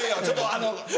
ちょっとあの。